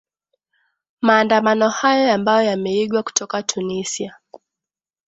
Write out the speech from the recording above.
maandamano hayo ambayo yameigwa kutoka tunisia